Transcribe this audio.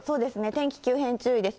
天気急変注意です。